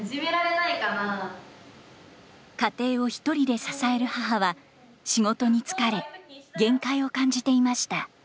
家庭を一人で支える母は仕事に疲れ限界を感じていました。